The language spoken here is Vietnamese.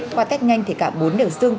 qua tết nhanh thì cả bốn đều dưng